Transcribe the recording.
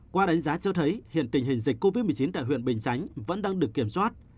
qua đánh giá cho thấy hiện tình hình dịch covid một mươi chín tại huyện bình chánh vẫn đang được kiểm soát